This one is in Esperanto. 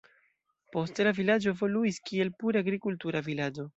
Poste la vilaĝo evoluis kiel pure agrikultura vilaĝo.